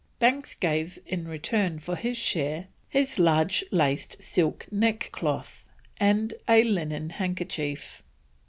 Banks gave in return for his share his large laced silk neckcloth and a linen handkerchief.